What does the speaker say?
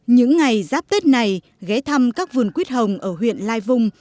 những ngày giáp tết này ghé thăm các vườn quyết hồng ở huyện lai vung